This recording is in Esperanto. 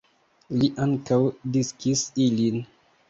Li ankaŭ diskis ilin.